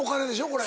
これ。